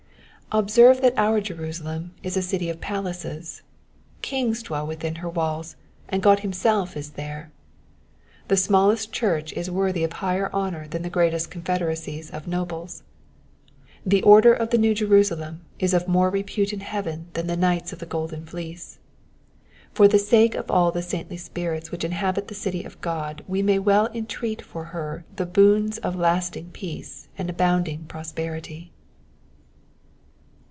Observe that our Jerusalem is a city of palaces : kings dwell within her walls, and God himself is there. The smallest church is worthy of higher honour than the greatest confederacies of nobles. The order of the New Jerusalem is of more repute in heaven than the knights of the Golden Fleece. For the sake of all the saintly spirits which inhabit the city of God we may well entreat for her the boons of lasting peace and abounding prosperity.